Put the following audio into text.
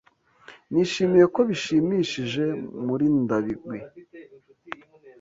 Nishimiye ko bishimishije Murindabigwi.